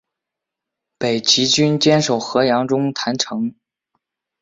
北齐军坚守河阳中潭城。